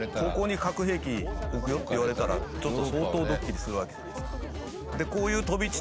ここに核兵器置くよって言われたらちょっと相当どっきりするわけじゃないですか。